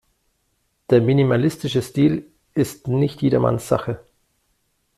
Der minimalistische Stil ist nicht jedermanns Sache.